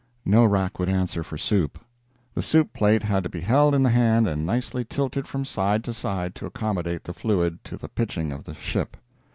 No rack would answer for soup. The soup plate had to be held in the hand and nicely tilted from side to side to accommodate the fluid to the pitching of the ship.